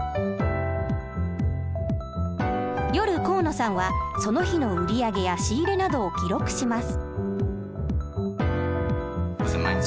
夜河野さんはその日の売り上げや仕入れなどを記録します。